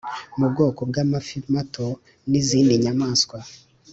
mu bwoko bwa amafi mato n’izindi nyamaswa.